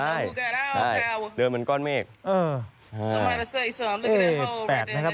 เอ้ยแปดนะครับ